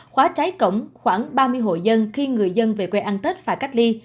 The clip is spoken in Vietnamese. khóa trái cổng khoảng ba mươi hội dân khi người dân về quê ăn tết phải cách ly